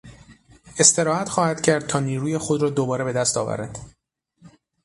استراحت خواهد کردتا نیروی خود را دوباره به دست آورد.